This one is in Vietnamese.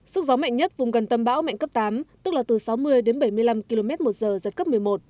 sức gió mạnh nhất vùng gần tâm bão mạnh cấp tám tức là từ sáu mươi đến bảy mươi năm km một giờ giật cấp một mươi một